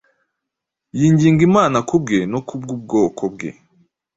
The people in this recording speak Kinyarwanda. yinginga Imana kubwe no kubw’ubwoko bwe.